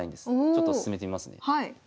ちょっと進めてみますね。